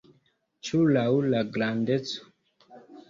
Ĉu laŭ la grandeco?